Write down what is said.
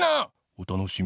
「お楽しみに」